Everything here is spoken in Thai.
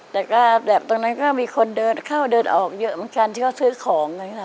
แล้วก็ตรงนั้นก็มีคนเดินเข้าเดินออกเยอะเหมือนกันซื้อของ